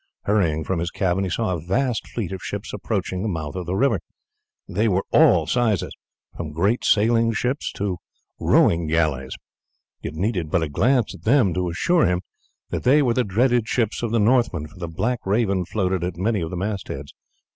Hurrying from his cabin he saw a vast fleet of ships approaching the mouth of the river. They were of all sizes from great sailing ships to rowing galleys. It needed but a glance at them to assure him that they were the dreaded ships of the Northmen, for the Black Raven floated at many of the mast heads.